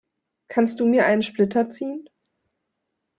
Kannst du mir einen Splitter ziehen?